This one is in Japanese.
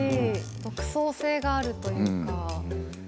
独創性があるというか。